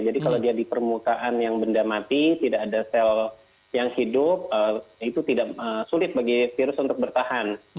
jadi kalau dia di permukaan yang benda mati tidak ada sel yang hidup itu tidak sulit bagi virus untuk bertahan